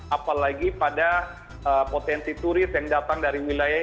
apalagi pada potensi turis yang datang dari wilayah